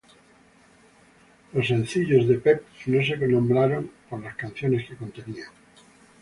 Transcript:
Los sencillos de "Peep" no se nombraron por las canciones que contenían.